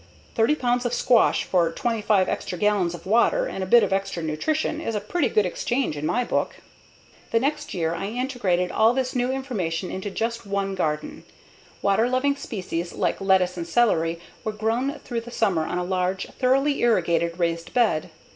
Thirty five pounds of squash for 25 extra gallons of water and a bit of extra nutrition is a pretty good exchange in my book. The next year I integrated all this new information into just one garden. Water loving species like lettuce and celery were grown through the summer on a large, thoroughly irrigated raised bed.